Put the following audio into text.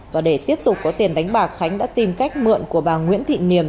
và để tiếp tục có tiền đánh bạc khánh đã tìm cách mượn của bà nguyễn thị niềm